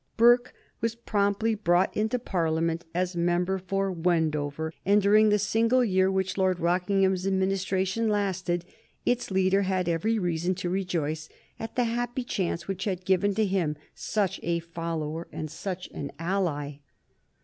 Burke was promptly brought into Parliament as member for Wendover, and during the single year which Lord Rockingham's Administration lasted its leader had every reason to rejoice at the happy chance which had given to him such a follower and such an ally.